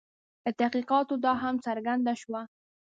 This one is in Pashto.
له تحقیقاتو دا هم څرګنده شوه.